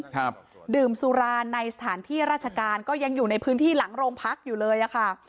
ครับดื่มสุราในสถานที่ราชการก็ยังอยู่ในพื้นที่หลังโรงพักอยู่เลยอ่ะค่ะ